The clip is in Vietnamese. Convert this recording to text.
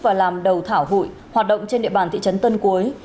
và làm đầu thảo hụi hoạt động trên địa bàn thị trấn tân cuối